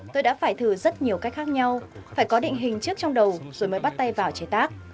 tôi đã phải thử rất nhiều cách khác nhau phải có định hình trước trong đầu rồi mới bắt tay vào chế tác